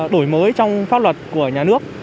đổi mới trong pháp luật của nhà nước